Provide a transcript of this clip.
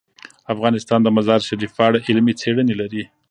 افغانستان د مزارشریف په اړه علمي څېړنې لري.